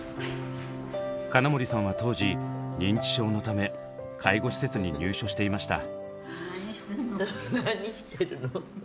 金森さんは当時認知症のため介護施設に入所していました。